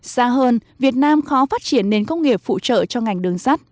xa hơn việt nam khó phát triển nền công nghiệp phụ trợ cho ngành đường sắt